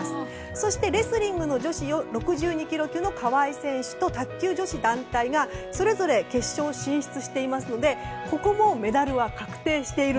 そしてレスリング女子６２ｋｇ級の川井選手と、卓球女子団体がそれぞれ決勝進出していますのでここもメダルは確定している。